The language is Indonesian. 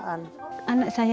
kalau ibu ngurusin buku katanya